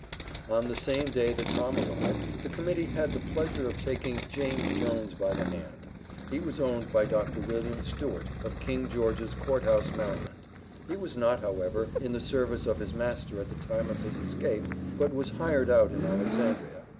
On the same day that Tom arrived, the Committee had the pleasure of taking JAMES JONES by the hand. He was owned by Dr. William Stewart, of King George's Court House, Maryland. He was not, however, in the service of his master at the time of his escape but was hired out in Alexandria.